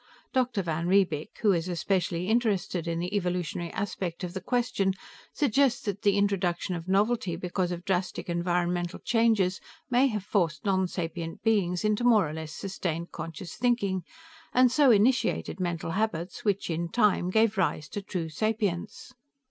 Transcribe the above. Dr. van Riebeek, who is especially interested in the evolutionary aspect of the question, suggests that the introduction of novelty because of drastic environmental changes may have forced nonsapient beings into more or less sustained conscious thinking and so initiated mental habits which, in time, gave rise to true sapience.